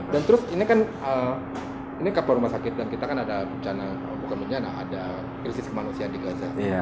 dan terus ini kan kapal rumah sakit dan kita kan ada resis kemanusiaan di gaza